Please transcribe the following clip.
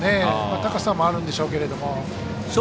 高さもあるんでしょうけども。